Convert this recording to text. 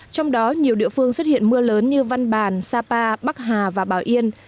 trong đó nhiều địa phương xuất hiện mưa lớn như văn bàn sapa bắc hà và bảo yên